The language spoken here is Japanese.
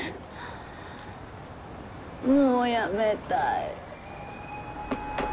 もう辞めたい。